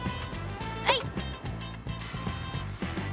はい。